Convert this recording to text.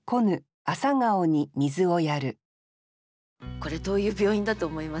これどういう病院だと思います？